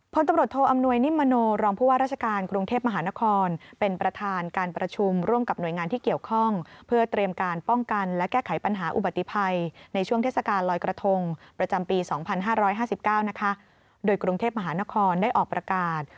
ปีสองพันห้าร้อยห้าสิบเก้านะคะโดยกรุงเทพมหานครได้ออกประกาศ